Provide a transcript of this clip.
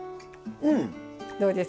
どうですか？